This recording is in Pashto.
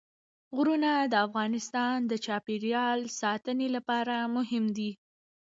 غرونه د افغانستان د چاپیریال ساتنې لپاره مهم دي.